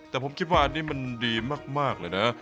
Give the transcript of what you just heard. แต่ผมคิดว่าอันนี้มันดีมากเลยนะ